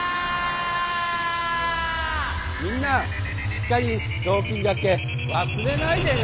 みんなしっかりぞうきんがけわすれないでね。